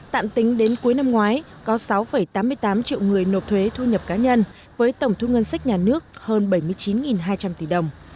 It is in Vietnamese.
tạm tính đến cuối năm ngoái có sáu tám mươi tám triệu người nộp thuế thu nhập cá nhân với tổng thu ngân sách nhà nước hơn bảy mươi chín hai trăm linh tỷ đồng